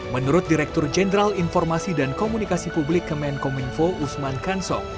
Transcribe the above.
menurut direktur jenderal informasi dan komunikasi publik kemenkominfo usman kansong